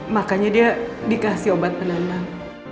makanya dia dikasih obat penanam